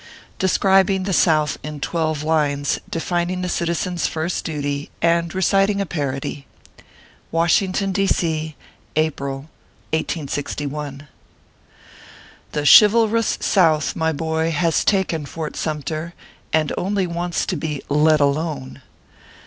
DESCRIBING THE SOUTH IN TWELVE LINES, DEFINING THE CITIZEN S FIRST DUTY, AND RECITING A PARODY. WASHINGTON. D. C., April , 1SG1. THE chivalrous South, my boy, has taken Fort Sumter, and only wants to be " let alone."